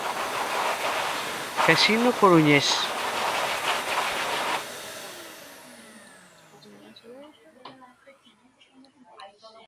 Casino Coruñés.